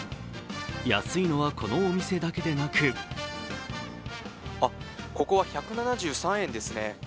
安いのはこのお店だけでなくここは１７３円ですね。